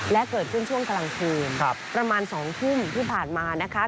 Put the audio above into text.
และเกิดขึ้นช่วงกลางคืนประมาณ๒ทุ่มที่ผ่านมานะคะ